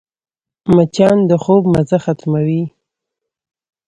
مچان د خوب مزه ختموي